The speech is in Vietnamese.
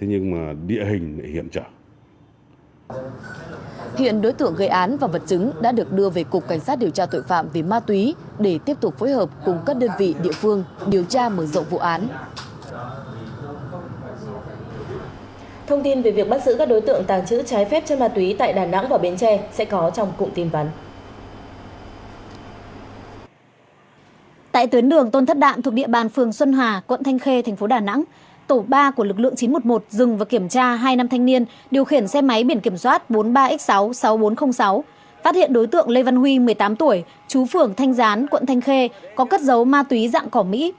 phát hiện đối tượng lê văn huy một mươi tám tuổi chú phưởng thanh gián quận thanh khê có cất dấu ma túy dạng cỏ mỹ